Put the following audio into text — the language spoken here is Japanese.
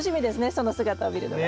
その姿を見るのが。